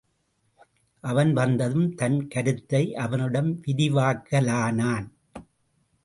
அவன் வந்ததும் தன் கருத்தை அவனிடம் விவரிக்கலானான்.